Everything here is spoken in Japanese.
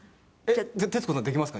徹子さんできますか？